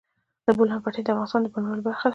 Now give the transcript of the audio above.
د بولان پټي د افغانستان د بڼوالۍ برخه ده.